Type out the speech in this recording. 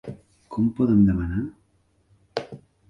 Com podeu demanar??